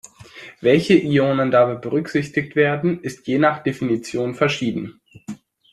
Welche Ionen dabei berücksichtigt werden, ist je nach Definition verschieden.